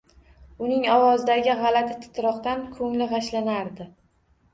Uning ovozidagi g‘alati titroqdan ko‘ngli g‘ashlanardi.